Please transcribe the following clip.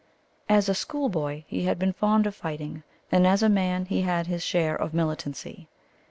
As a schoolboy he had been fond of fighting, and as a man he had his share of militancy.